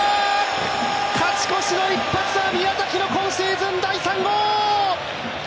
勝ち越しの一発は宮崎の今シーズン第３号！